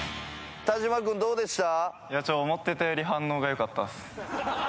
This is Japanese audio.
田島君どうでした？